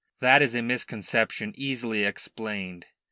That is a misconception easily explained.